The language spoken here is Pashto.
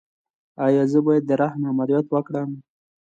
ایا زه باید د رحم عملیات وکړم؟